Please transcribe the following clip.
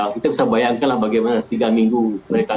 kita bisa bayangkan lah bagaimana tiga minggu mereka